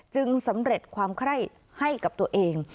จึงสำเร็จความคล่ายให้กับตัวเอง